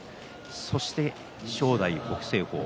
そして正代、北青鵬